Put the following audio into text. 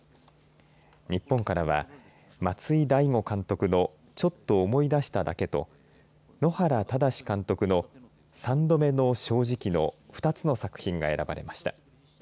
日本からは松居大悟監督のちょっと思い出しただけと野原位監督の三度目の、正直の２つの作品が選ばれました。